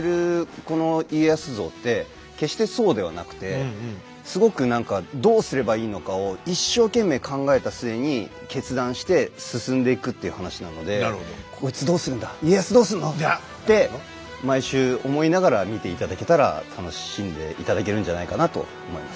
この家康像って決してそうではなくてすごく何かどうすればいいのかを一生懸命考えた末に決断して進んでいくっていう話なので「こいつどうするんだ⁉」「家康どうすんの⁉」って毎週思いながら見て頂けたら楽しんで頂けるんじゃないかなと思います。